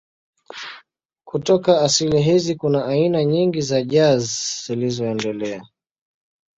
Kutoka asili hizi kuna aina nyingi za jazz zilizoendelea.